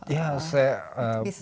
ya saya banyak banyak